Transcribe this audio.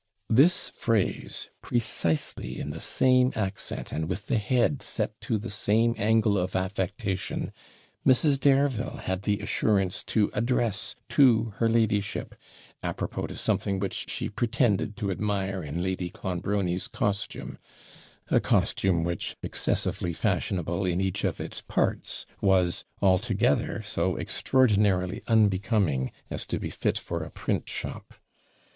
This phrase, precisely in the same accent, and with the head set to the same angle of affectation, Mrs. Dareville had the assurance to address to her ladyship, apropos to something which she pretended to admire in Lady Clonbrony's COSTUME a costume which, excessively fashionable in each of its parts, was, all together, so extraordinarily unbecoming as to be fit for a print shop.